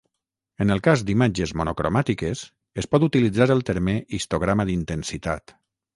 En el cas d'imatges monocromàtiques, es pot utilitzar el terme histograma d'intensitat.